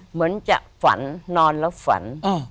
เหมือนจะฝันนอนแล้วฝัน